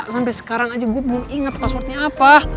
sampai sekarang aja gue belum inget passwordnya apa